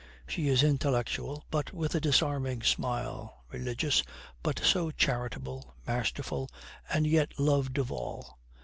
She is intellectual, but with a disarming smile, religious, but so charitable, masterful, and yet loved of all.